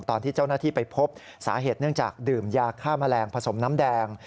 ตอนที่เจ้าหน้าที่ไปพบสาเหตุเนื่องจากดื่มยาฆ่าแมลงผสมน้ำแดง